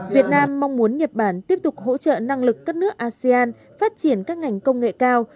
việt nam mong muốn nhật bản tiếp tục hỗ trợ năng lực các nước asean phát triển các ngành công nghệ cao